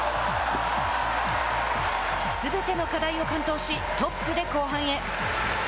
すべての課題を完登しトップで後半へ。